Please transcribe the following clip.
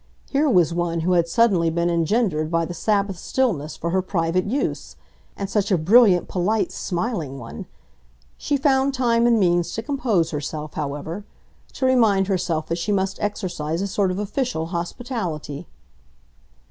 Here was one who had suddenly been engendered by the Sabbath stillness for her private use; and such a brilliant, polite, smiling one! She found time and means to compose herself, however: to remind herself that she must exercise a sort of official hospitality.